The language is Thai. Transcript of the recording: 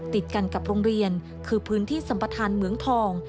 ติดกันกับโรงเรียนคือพื้นที่สัมประธานเหมืองทอง